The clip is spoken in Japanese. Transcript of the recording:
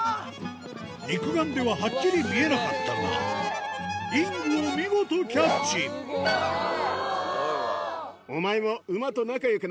肉眼でははっきり見えなかったがリングを見事キャッチスゲェ！